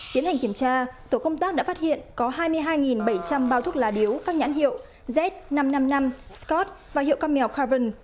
tiến hành kiểm tra tổ công tác đã phát hiện có hai mươi hai bảy trăm linh bao thuốc lá điếu các nhãn hiệu z năm trăm năm mươi năm scott và hiệu camel carbon